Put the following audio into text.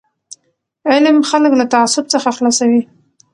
علم خلک له تعصب څخه خلاصوي.